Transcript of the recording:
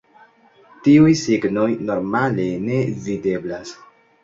Tiuj signoj normale ne videblas.